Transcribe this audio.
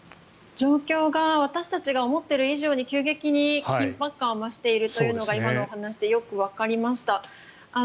状況が私たちが思っている以上に急激に緊迫感を増しているというのが今のお話でよくわかりました。